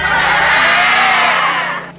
อันนี้